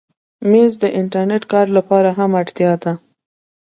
مېز د انټرنېټ کار لپاره هم اړتیا ده.